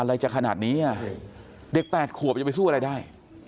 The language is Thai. อะไรจากขนาดนี้เด็กแปดขวบจะไปสู้อะไรได้